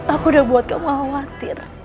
aku sudah membuat kamu khawatir